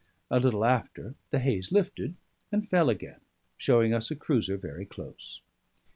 A little after, the haze lifted, and fell again, showing us a cruiser very close.